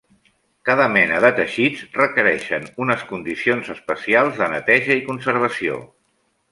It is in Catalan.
Cada mena de teixits requereixen unes condicions especials de neteja i conservació.